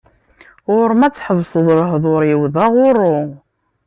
Ɣur-m ad tḥesbeḍ lehdur-iw d aɣurru.